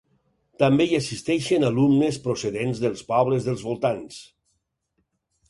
També hi assisteixen alumnes procedents de pobles dels voltants.